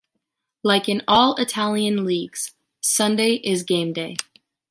Like in all Italian leagues, Sunday is game day.